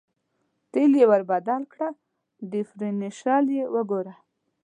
تېل یې ور بدل کړه، ډېفرېنشیال یې وګوره.